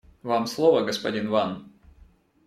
Вам слово, господин Ван.